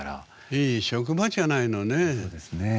いい職場じゃないのねえ。